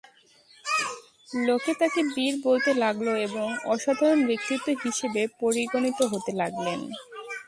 লোকে তাকে বীর বলতে লাগল এবং অসাধারণ ব্যক্তিত্ব হিসেবে পরিগণিত হতে লাগলেন।